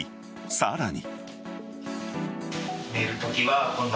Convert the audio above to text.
さらに。